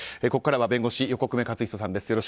ここからは弁護士の横粂勝仁さんです。